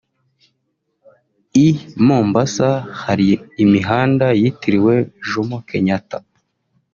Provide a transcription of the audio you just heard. I Mombasa hari imihanda yitiriwe Jomo Kenyatta